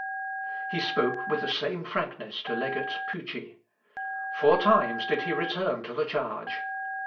He spoke with the same frankness to legate Pucci. Four times did he return to the charge.